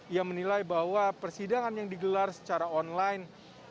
ia menilai bahwa persidangan yang digelar secara online